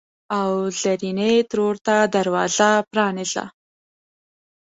او زرینې ترور ته دروازه پرانیزه!